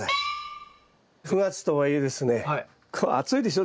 ９月とはいえですね暑いでしょ？